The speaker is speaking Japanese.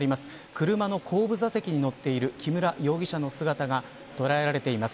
車の後部座席に乗っている木村容疑者の姿が捉えられています。